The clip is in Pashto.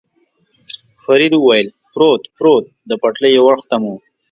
فرید وویل: پروت، پروت، د پټلۍ یو اړخ ته مو.